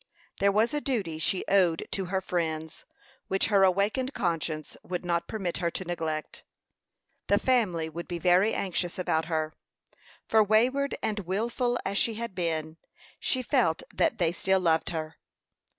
There was a duty she owed to her friends which her awakened conscience would not permit her to neglect. The family would be very anxious about her, for wayward and wilful as she had been, she felt that they still loved her.